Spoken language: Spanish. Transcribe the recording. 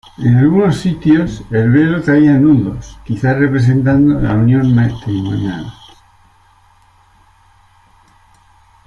En algunos sitios el velo traía nudos, quizá representando la unión matrimonial.